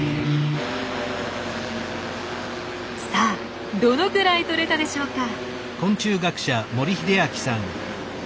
さあどのぐらいとれたでしょうか？